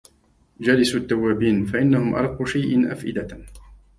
جالسوا التوابين، فإنهم أرق شئ أفئدة.